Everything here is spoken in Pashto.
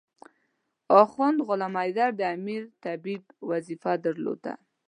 اخند غلام حیدر د امیر طبيب وظیفه درلوده.